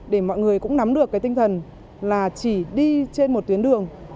để mọi người cũng nắm được cái tinh thần là chỉ đi trên một tuyến đường